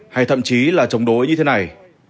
hay thậm chí là chống đối như thế này